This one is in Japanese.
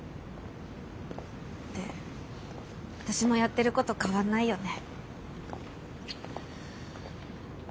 って私もやってること変わんないよね。